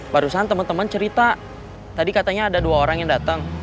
barusan teman teman cerita tadi katanya ada dua orang yang datang